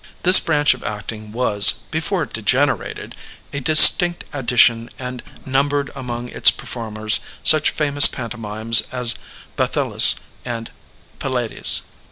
This branch of acting was, before it degenerated, a distinct addition and numbered among its perform ers such famous pantomimes as Bathyllus and Pylades.